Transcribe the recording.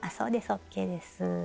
ＯＫです。